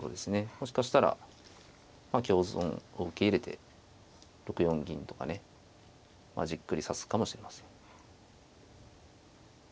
もしかしたら香損を受け入れて６四銀とかねじっくり指すかもしれません。